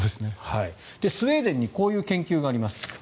スウェーデンにこういう研究があります。